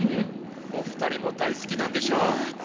お二人も大好きなんでしょ。